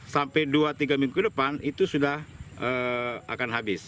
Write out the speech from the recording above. sampai dua tiga minggu ke depan itu sudah akan habis